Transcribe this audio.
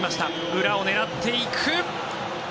裏を狙っていく。